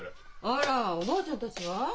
あらおばあちゃんたちは？